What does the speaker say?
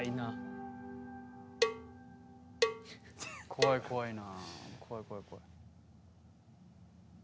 怖い怖いな。